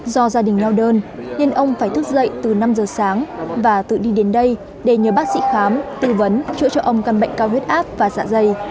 do gia đình nheo đơn nên ông phải thức dậy từ năm giờ sáng và tự đi đến đây để nhờ bác sĩ khám tư vấn chữa cho ông căn bệnh cao huyết áp và dạ dày